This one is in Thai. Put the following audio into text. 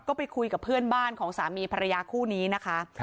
ก็ไปคุยกับเพื่อนบ้านของสามีภรรยาคู่นี้นะคะ